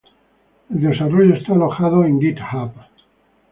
El desarrollo está alojado en GitHub.